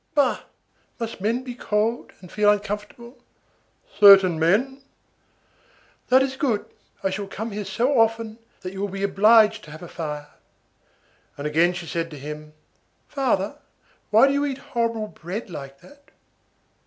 "Bah! must men be cold and feel uncomfortable?" "Certain men." "That is good, I shall come here so often that you will be obliged to have a fire." And again she said to him:— "Father, why do you eat horrible bread like that?"